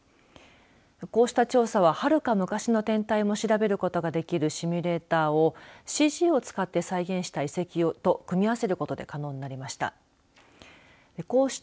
こうした調査ははるか昔の天体も調べることができるシミュレーターをＣＧを使って再現した遺跡と組み合わせることで可能になりました。